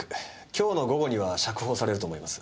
今日の午後には釈放されると思います。